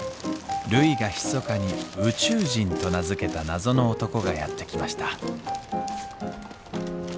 るいがひそかに宇宙人と名付けた謎の男がやって来ましたるいちゃん。